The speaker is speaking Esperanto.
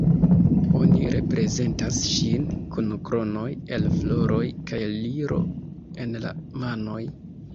Oni reprezentas ŝin kun kronoj el floroj kaj liro en la manoj.